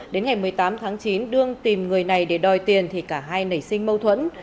đến ngày một mươi tám tháng chín đương tìm người này để đòi tiền thì cả hai nảy sinh mâu thuẫn